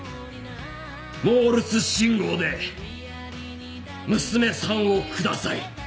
モールス信号で「娘さんをください」。